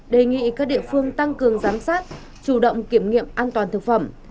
đề nghị các địa phương tăng cường giám sát chủ động kiểm nghiệm an toàn thực phẩm